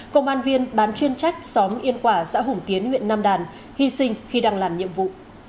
công an viên bán chuyên trách xóm yên quả xã hùng tiến nguyện nam đàn hy sinh khi đang làm nhiệm vụ